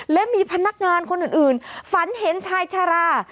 และมีพนักงานคนอื่นฝันเห็นชายชารา